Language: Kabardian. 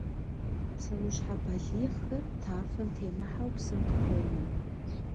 Псэущхьэ балигъхэр тафэм темыхьэу псым къыхонэ.